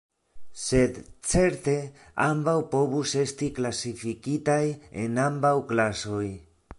Sed certe ambaŭ povus esti klasifikitaj en ambaŭ klasoj.